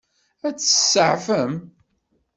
Ad t-tseɛfem?